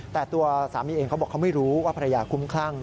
แต่ตัวสามีเองเขาบอกเขาไม่รู้ว่าภรรยาคุ้มคลั่ง